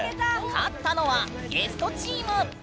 勝ったのはゲストチーム！